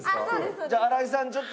じゃあ新井さんちょっと。